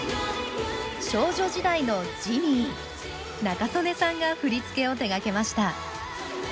少女時代の「ＧＥＮＩＥ」仲宗根さんが振付を手がけました